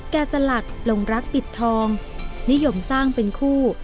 แก่สลักลงรักปิดทองนิยมสร้างเป็นคู่